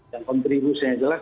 yang kontribusinya jelas